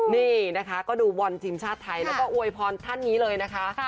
นี่นะคะก็ดูบอลทีมชาติไทยแล้วก็อวยพรท่านนี้เลยนะคะ